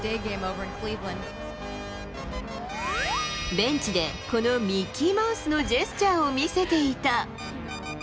ベンチでこのミッキーマウスのジェスチャーを見せていた。